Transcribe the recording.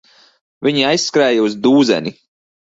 Viņi aizskrēja uz dūzeni.